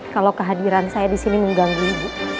kalau kehadiran saya disini mengganggu ibu